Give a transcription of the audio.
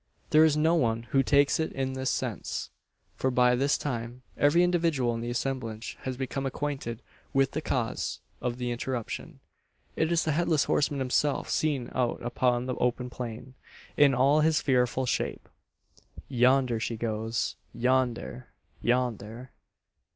There is no one who takes it in this sense; for by this time every individual in the assemblage has become acquainted with the cause of the interruption. It is the Headless Horseman himself seen out upon the open plain, in all his fearful shape! "Yonder he goes yonder! yonder!"